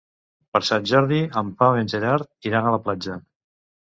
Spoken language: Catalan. Per Sant Jordi en Pau i en Gerard iran a la platja.